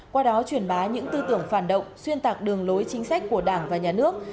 qua đó truyền bá những tư tưởng phản động xuyên tạc đường lối chính sách của đảng và nhà nước